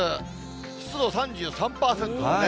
湿度３３％でね。